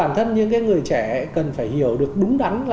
bản thân những người trẻ cần phải hiểu được đúng đắn